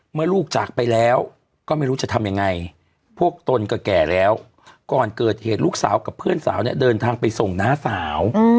เมื่อลูกจากไปแล้วก็ไม่รู้จะทำยังไงพวกตนก็แก่แล้วก่อนเกิดเหตุลูกสาวกับเพื่อนสาวเนี่ยเดินทางไปส่งน้าสาว